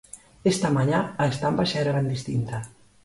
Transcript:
Esta mañá, a estampa xa era ben distinta.